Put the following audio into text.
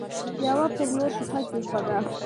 يوه پر لور پښه کيښوده.